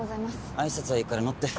挨拶はいいから乗って。